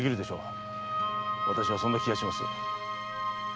私はそんな気がします。